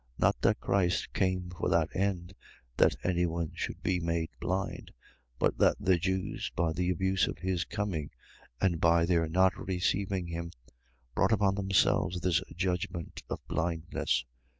.Not that Christ came for that end, that any one should be made blind: but that the Jews, by the abuse of his coming, and by their not receiving him, brought upon themselves this judgment of blindness.